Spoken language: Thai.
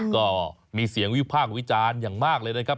ก็มีเสียงวิพากษ์วิจารณ์อย่างมากเลยนะครับ